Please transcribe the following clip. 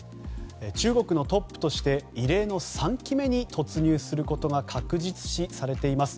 中国のトップとして異例の３期目に突入することが確実視されています